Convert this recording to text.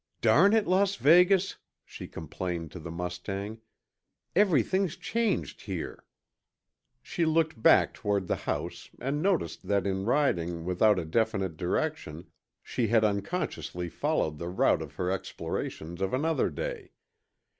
"Darn it, Las Vegas," she complained to the mustang, "everything's changed here." She looked back toward the house and noticed that in riding without a definite direction she had unconsciously followed the route of her explorations of another day.